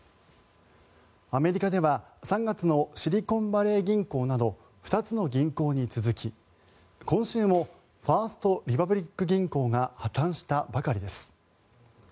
アメリカでは３月のシリコンバレー銀行など２つの銀行に続き今週もファースト・リパブリック銀行が破たんしたばかりです。